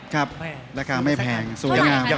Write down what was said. ครับราคาไม่แพงสวยงาม